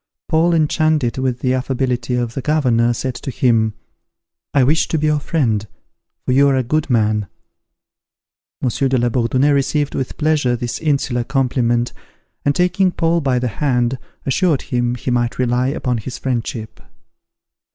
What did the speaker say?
Paul, enchanted with the affability of the governor, said to him, "I wish to be your friend: for you are a good man." Monsieur de la Bourdonnais received with pleasure this insular compliment, and, taking Paul by the hand, assured him he might rely upon his friendship.